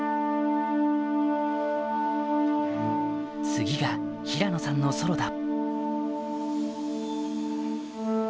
次が平野さんのソロだ